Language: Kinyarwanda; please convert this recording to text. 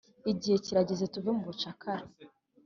igihe kirajyeze tuve mu bucakara